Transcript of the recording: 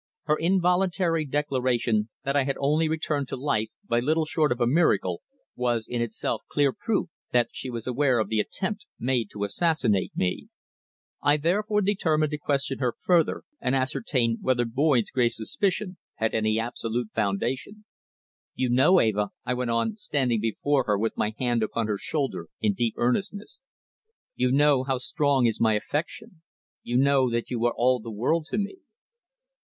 Her involuntary declaration that I had only returned to life by little short of a miracle was in itself clear proof that she was aware of the attempt made to assassinate me. I therefore determined to question her further and ascertain whether Boyd's grave suspicion had any absolute foundation. "You know, Eva," I went on, standing before her with my hand upon her shoulder in deep earnestness, "you know how strong is my affection; you know that you are all the world to me."